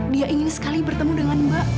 dia ingin sekali bertemu dengan mbak